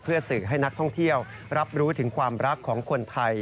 สื่อให้นักท่องเที่ยวรับรู้ถึงความรักของคนไทย